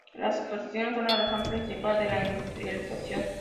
Las exportaciones son la razón principal de la industrialización.